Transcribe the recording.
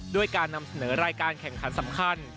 ด้วยการนำเสนอรายการแข่งขันสำคัญ